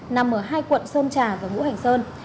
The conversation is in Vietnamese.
nằm ở hai quận sơn trà và ngũ hành sơn